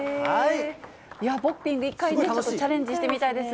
ボクピング、一回、ちょっとチャレンジしてみたいです。